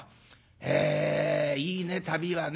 えいいね旅はね。